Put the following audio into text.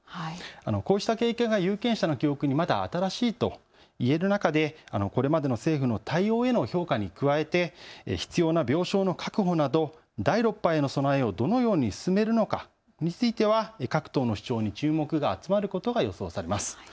こうした経験が有権者の記憶にまだ新しいと言える中でこれまでの政府の対応への評価に加えて必要な病床の確保など第６波への備えをどのように進めるのかについては各党の主張に注目が集まることが予想されます。